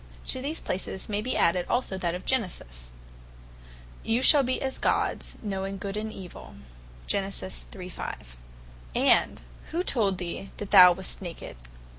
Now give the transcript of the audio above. To these places may be added also that of Genesis, (Gen. 3. 5) "You shall be as Gods, knowing Good and Evill." and verse 11. "Who told thee that thou wast naked?